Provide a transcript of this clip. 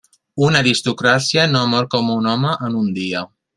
Una aristocràcia no mor com un home, en un dia.